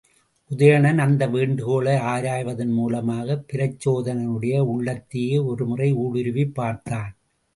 உதயணன் அந்த வேண்டுகோளை ஆராய்வதன் மூலமாகப் பிரச்சோதனனுடைய உள்ளத்தையே ஒருமுறை ஊடுருவிப் பார்த்தான்.